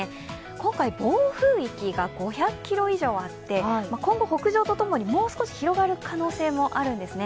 今回、暴風域が５００ｋｍ以上あって今後、北上と共に、もう少し広がる可能性もあるんですね。